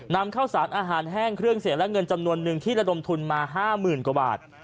นำข้าวสารอาหารแห้งเครื่องเสียงและเงินจำนวนนึงที่ระดมทุนมา๕๐๐๐กว่าบาท